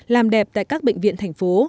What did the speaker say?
làm đẹp tại các bệnh viện thành phố